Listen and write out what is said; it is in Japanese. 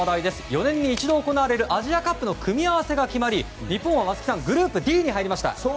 ４年に一度行われるアジアカップの組み合わせが決まり日本は松木さんグループＤに入りました。